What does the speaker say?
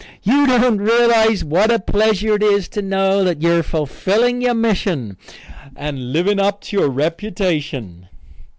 You don't realize what a pleasure it is to know that you are fulfilling your mission and living up to your reputation."